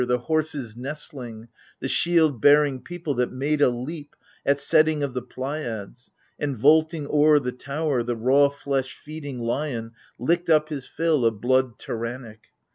The horse's nestUng, the shield bearing people That made a leap, at setting of the Pleiads, And, vaulting o'er the tow er, the raw flesh feeding Lion licked up his fill of blood tyrannic.